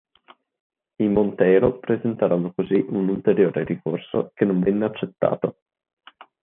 I Monteiro presentarono così un ulteriore ricorso che non venne accettato.